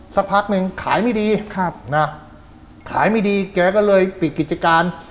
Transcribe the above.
สักพักนึงขายไม่ดีครับนะขายไม่ดีแกก็เลยปิดกิจการ